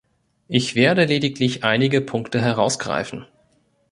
Ich werde lediglich einige Punkte herausgreifen.